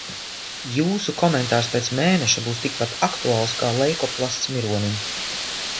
Jūsu komentārs pēc mēneša būs tikpat aktuāls kā leikoplasts mironim.